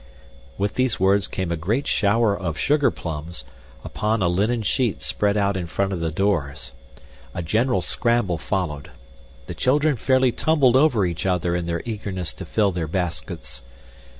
With these words came a great shower of sugarplums, upon a linen sheet spread out in front of the doors. A general scramble followed. The children fairly tumbled over each other in their eagerness to fill their baskets.